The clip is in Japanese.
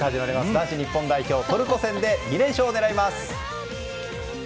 男子日本代表トルコ戦で２連勝を狙います。